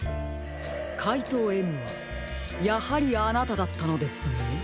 かいとうＭはやはりあなただったのですね。